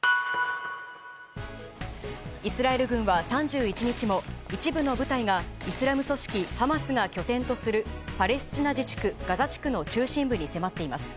イスラエル軍は、３１日も一部の部隊がイスラム組織ハマスが拠点とするパレスチナ自治区ガザ地区の中心部に迫っています。